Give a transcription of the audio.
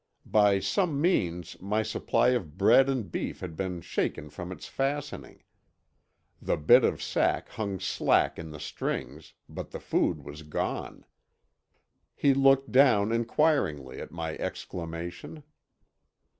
By some means my supply of bread and beef had been shaken from its fastening. The bit of sack hung slack in the strings, but the food was gone. He looked down inquiringly, at my exclamation.